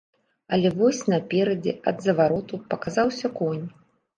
Але вось наперадзе, ад завароту, паказаўся конь.